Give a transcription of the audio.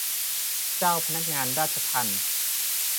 เจ้าพนักงานราชทัณฑ์